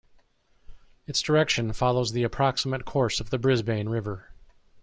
Its direction follows the approximate course of the Brisbane River.